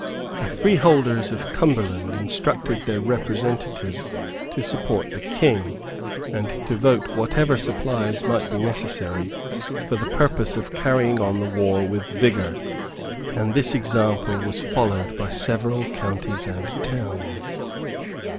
The freeholders of Cumberland instructed their representatives to support the King, and to vote whatever supplies might be necessary for the purpose of carrying on the war with vigour; and this example was followed by several counties and towns.